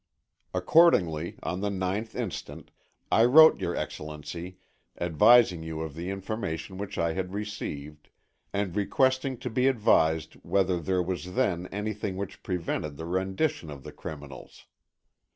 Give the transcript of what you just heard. Accordingly, on the 9th inst., I wrote your Excellency, advising you of the information which I had received, and requesting to be advised whether there was then anything which prevented the rendition of the criminals.